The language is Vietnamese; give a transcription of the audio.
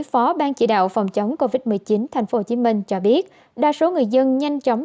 phó ban chỉ đạo phòng chống covid một mươi chín thành phố hồ chí minh cho biết đa số người dân nhanh chóng